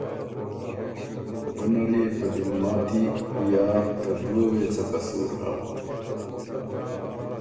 پۀ نر يې ته ګلماتی یا ته دُوه وې څۀ قصور هۀ